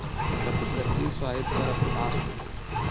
له پسرلي صاحب سره په ناستو کې.